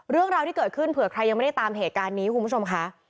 เรื่องราวที่เกิดขึ้นเผื่อใครยังไม่ได้ตามเหตุการณ์นี้คุณผู้ชมค่ะ